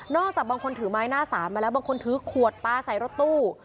จากบางคนถือไม้หน้าสามมาแล้วบางคนถือขวดปลาใส่รถตู้